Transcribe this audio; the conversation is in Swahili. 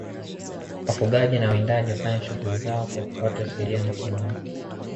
wafugaji na wawindaji wafanye shughuli zao kwa kufuata sheria na kanuni